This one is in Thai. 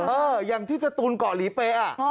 เอออย่างที่จะตูนเกาะหลีเป๊ะอ่ะ